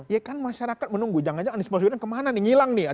ya kan masyarakat menunggu jangan jangan anies baswedan kemana nih ngilang nih